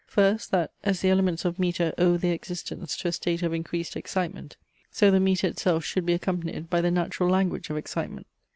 First, that, as the elements of metre owe their existence to a state of increased excitement, so the metre itself should be accompanied by the natural language of excitement.